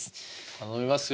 頼みますよ。